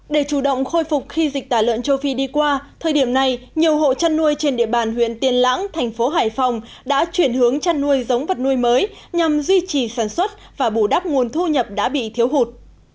để chủ động khôi phục khi dịch tả lợn châu phi đi qua thời điểm này nhiều hộ chăn nuôi trên địa bàn huyện tiên lãng thành phố hải phòng đã chuyển hướng chăn nuôi giống vật nuôi mới nhằm duy trì sản xuất và bù đắp nguồn thu nhập đã bị thiếu hụt